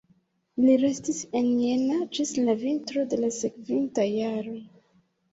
Li restis en Jena ĝis la vintro de la sekvinta jaro.